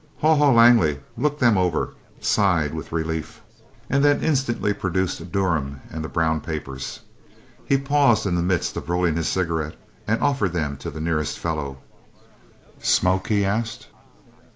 Haw Haw Langley looked them over, sighed with relief, and then instantly produced Durham and the brown papers. He paused in the midst of rolling his cigarette and offered them to the nearest fellow. "Smoke?" he asked.